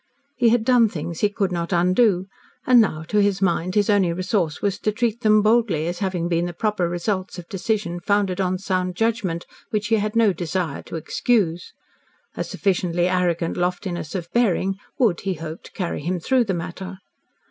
He had done things he could not undo, and now, to his mind, his only resource was to treat them boldly as having been the proper results of decision founded on sound judgment, which he had no desire to excuse. A sufficiently arrogant loftiness of bearing would, he hoped, carry him through the matter.